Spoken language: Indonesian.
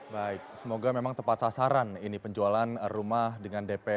baik semoga memang tepat sasaran ini penjualan rumah dengan dpd